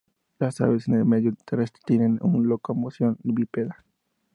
Las aves en el medio terrestre tienen una locomoción bípeda.